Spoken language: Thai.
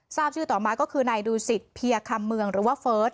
ทราบชื่อต่อมาก็คือนายดูสิตเพียคำเมืองหรือว่าเฟิร์ส